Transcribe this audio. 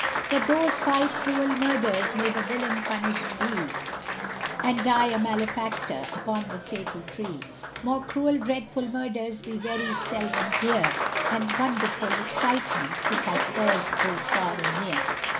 For those five cruel murders, may the villian punished be, And die a malefactor upon the fatal tree; More cruel dreadful murders we very seldom hear, And wonderful excitement it has caused both far and near.